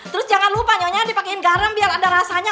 terus jangan lupa nyonya dipakaiin garam biar ada rasanya